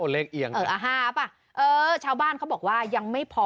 เลขเอียงค่ะเออ๕ป่ะชาวบ้านเขาบอกว่ายังไม่พอ